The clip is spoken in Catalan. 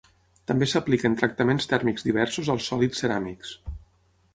També s'apliquen tractaments tèrmics diversos als sòlids ceràmics.